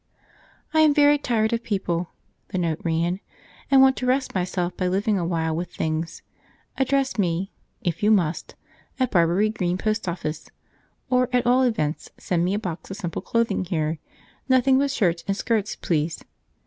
"I am very tired of people," the note ran, "and want to rest myself by living a while with things. Address me (if you must) at Barbury Green post office, or at all events send me a box of simple clothing there nothing but shirts and skirts, please.